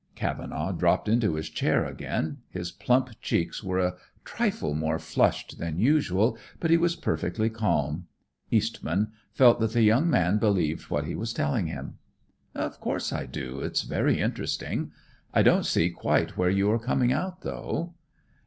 Cavenaugh dropped into his chair again. His plump cheeks were a trifle more flushed than usual, but he was perfectly calm. Eastman felt that the young man believed what he was telling him. "Of course I do. It's very interesting. I don't see quite where you are coming out though."